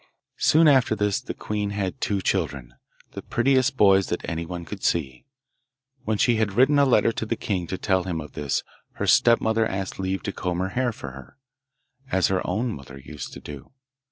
Soon after this the queen had two children, the prettiest boys that anyone could see. When she had written a letter to the king to tell him of this her stepmother asked leave to comb her hair for her, as her own mother used to do.